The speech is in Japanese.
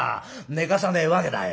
寝かさねえわけだい」。